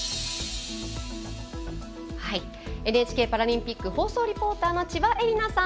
ＮＨＫパラリンピック放送リポーターの千葉絵里菜さん